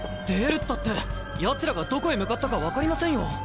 出るったってヤツらがどこへ向かったか分かりませんよ。